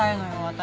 私。